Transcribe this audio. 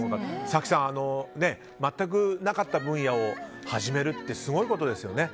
早紀さん、全くなかった分野を始めるってすごいことですよね。